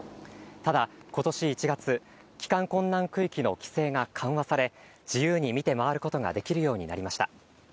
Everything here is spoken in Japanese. ただ、ことし１月、帰還困難区域の規制が緩和され、自由に見て回ることができるようになりました。